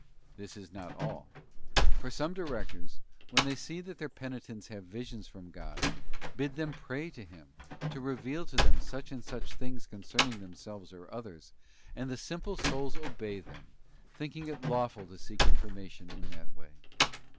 This is hot all; for some directors, when they see that their peni tents have visions from God, bid them pray to Him, to reveal to them such and such things concerning themselves or others, and the simple souls obey them, thinking it lawful to seek information in that way.